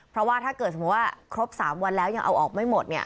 เพราะว่าถ้าเกิดสมมุติว่าครบ๓วันแล้วยังเอาออกไม่หมดเนี่ย